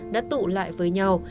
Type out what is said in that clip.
đã tụ lại với nhau